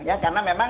ya karena memang